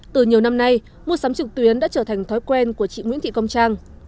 từ nhiều năm nay mua sắm trực tuyến đã trở thành thói quen của chị nguyễn thị công trang